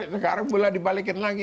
sekarang pula dibalikin lagi